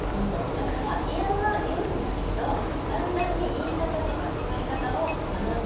だからイヤは言うんだけどだんだんに言い方とか伝え方を学んでいくところじゃないですか。